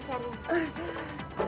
mas erwin datang